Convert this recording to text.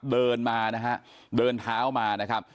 เดินมานะฮะเดินเท้ามานะครับ